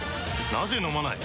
なぜ飲まない？